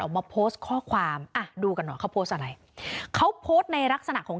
ออกมาโพสต์ข้อความดูกันเขาโพสต์อะไรเขาโพสต์ในรักษณะของ